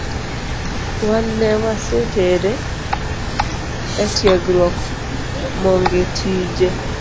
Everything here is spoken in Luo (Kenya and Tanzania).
Wan ne wasetere etiegruok mong’e tije